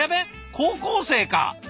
高校生か！